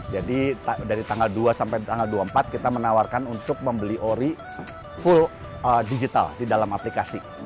jadi dari tanggal dua sampai tanggal dua puluh empat kita menawarkan untuk membeli ori full digital di dalam aplikasi